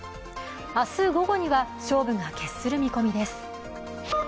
明日午後には勝負が決する見込みです。